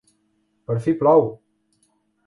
Per fi plou!